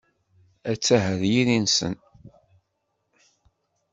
Atta ɣer yiri-nsen.